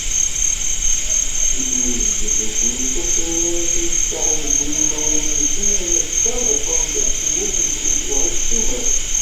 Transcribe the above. S usmuzget s tmeẓẓuɣt n warrac imecṭaḥ i d-wwin yimawlan-nsen, arrac-a ḍefren tasiwelt n tmucuha s tumert.